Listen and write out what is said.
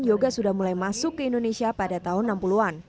yoga sudah mulai masuk ke indonesia pada tahun enam puluh an